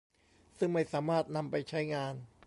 ซึ่งไม่สามารถนำไปใช้งาน